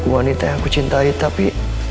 wanita yang aku cintai tapi